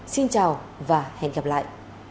xin chào và hẹn gặp lại